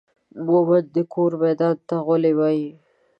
مومند دا کور ميدان ته غولي وايي